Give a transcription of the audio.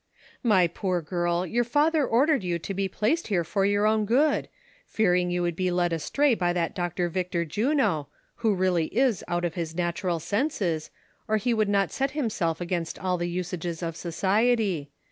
" My poor girl, your fatlier ordered you to be placed here for your own good, fearing you would be led astray by that Dr. Victor Juno, who really is out of his natural senses, or he would not set himself against all the usages of society.